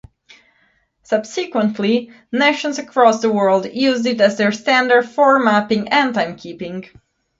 Subsequently, nations across the world used it as their standard for mapping and timekeeping.